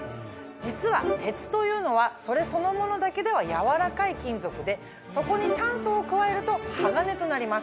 実は鉄というのはそれそのものだけではやわらかい金属でそこに炭素を加えると鋼となります。